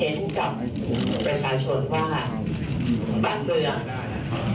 เห็นกับประชาชนว่าบ้านเบือก